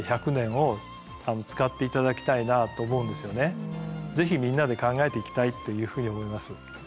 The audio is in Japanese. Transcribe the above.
何よりもぜひみんなで考えていきたいというふうに思います。